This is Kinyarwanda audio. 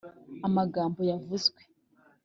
amagambo yavuzwe